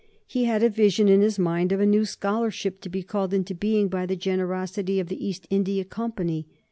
He had a vision in his mind of a new scholarship, to be called into being by the generosity of the East India Company.